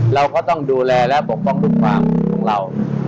เราก็ต้องดูแลและปกป้องลูกความของเรา